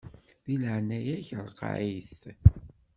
Di leɛnaya-k ṛeqqeɛ-it.